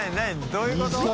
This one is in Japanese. どういうこと？